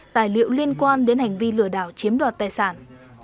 tài liệu liên quan đến hành vi lừa đảo chiếm đoạt tài sản